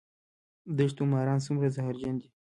د دښتو ماران څومره زهرجن دي؟